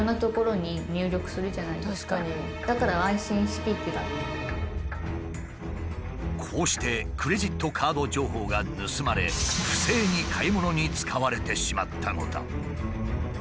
そういう所のこうしてクレジットカード情報が盗まれ不正に買い物に使われてしまったのだ。